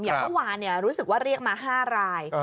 อย่างเมื่อวานรู้สึกว่าเรียกมา๕ราย